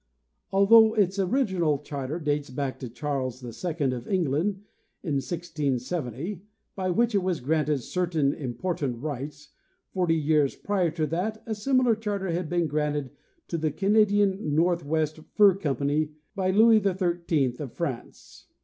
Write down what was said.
Although its original charter dates back to Charles II of England, in 1670, by which it was granted certain important rights, forty years prior to that a similar charter had been granted to the Canadian North west Fur company by Louis XIII of France.